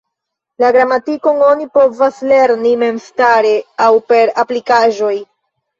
La gramatikon oni povas lerni memstare aŭ per aplikaĵoj.